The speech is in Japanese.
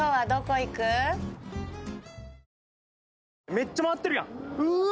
めっちゃ回ってるやんうわ